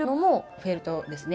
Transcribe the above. フェルトですね。